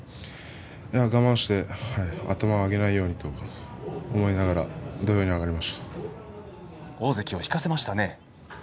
我慢して頭を上げないようにと思いながら大関を引かせましたね。